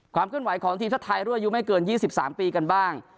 ความขึ้นไหวของทีมชาติไทยรั่วอยู่ไม่เกินยี่สิบสามปีกันบ้าง